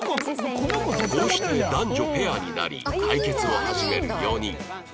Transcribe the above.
こうして男女ペアになり対決を始める４人